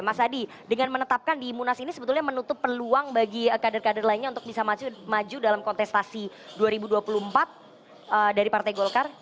mas adi dengan menetapkan di munas ini sebetulnya menutup peluang bagi kader kader lainnya untuk bisa maju dalam kontestasi dua ribu dua puluh empat dari partai golkar